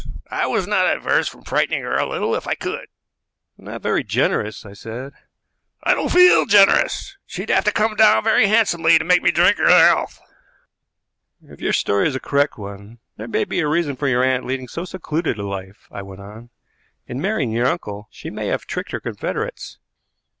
I was not averse from frightening her a little if I could." "Not very generous," I said. "I don't feel generous. She'd have to come down very handsomely to make me drink her health." "If your story is the correct one, there may be a reason for your aunt leading so secluded a life," I went on. "In marrying your uncle she may have tricked her confederates."